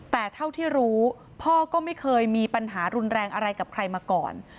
แต่เท่าที่รู้พ่อก็ไม่เคยมีปัญหารุนแรงอะไรกับใครมาก่อน